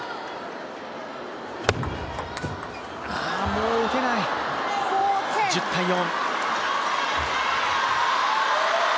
もう打てない１０−４。